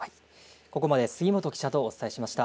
ここまで杉本記者とお伝えしました。